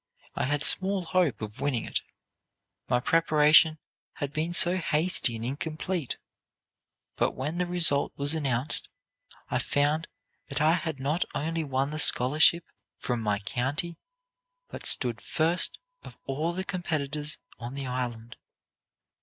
I had small hope of winning it, my preparation had been so hasty and incomplete. But when the result was announced, I found that I had not only won the scholarship from my county, but stood first of all the competitors on the Island.